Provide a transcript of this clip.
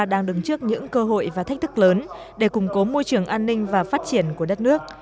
đang đứng trước những cơ hội và thách thức lớn để củng cố môi trường an ninh và phát triển của đất nước